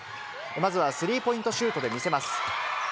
まずはスリーポイントシュートで見せます。